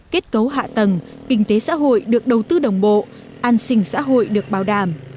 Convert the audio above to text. kết cấu hạ tầng kinh tế xã hội được đầu tư đồng bộ an sinh xã hội được bảo đảm